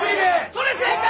それ正解。